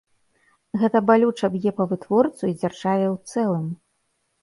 Гэта балюча б'е па вытворцу і дзяржаве ў цэлым.